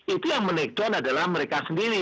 itu yang menake down adalah mereka sendiri